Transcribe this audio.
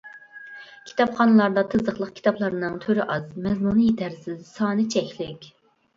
كىتابخانىلاردا تىزىقلىق كىتابلارنىڭ تۈرى ئاز، مەزمۇنى يىتەرسىز، سانى چەكلىك.